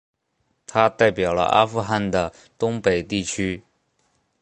他代表了阿富汗的东北地区。